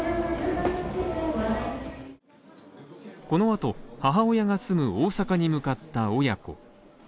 このあと、母親が住む大阪に向かった親子。